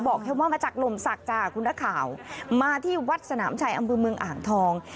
แค่ว่ามาจากลมศักดิ์จ้ะคุณนักข่าวมาที่วัดสนามชัยอำเภอเมืองอ่างทอง